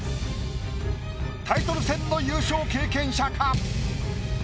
タイトル戦の優勝経験者か？